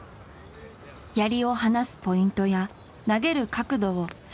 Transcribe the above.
やりを放すポイントや投げる角度をそのつど修正。